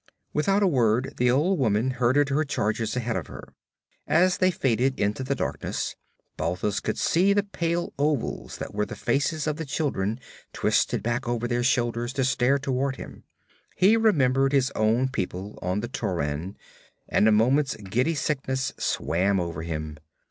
Without a word the old woman herded her charges ahead of her. As they faded into the darkness, Balthus could see the pale ovals that were the faces of the children twisted back over their shoulders to stare toward him. He remembered his own people on the Tauran and a moment's giddy sickness swam over him.